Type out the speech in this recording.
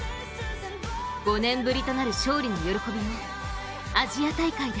５年ぶりとなる勝利の喜びをアジア大会で。